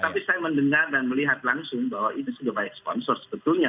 tapi saya mendengar dan melihat langsung bahwa itu sudah banyak sponsor sebetulnya